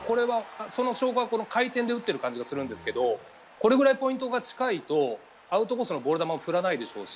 回転で打ってる感じがしますがこれぐらいポイントが近いとアウトコースのボール球を振らないでしょうし